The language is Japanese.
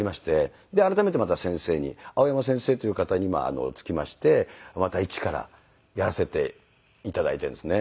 改めてまた先生に青山先生という方に今つきましてまた一からやらせて頂いているんですね。